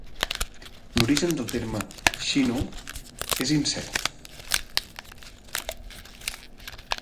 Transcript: L'origen del terme "shino" és incert.